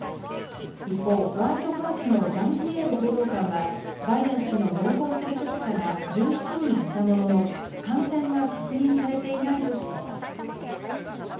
一方、ホワイトハウスのジャンピエール報道官はバイデン氏の濃厚接触者が１７人いたものの、感染は確認されていないとしています。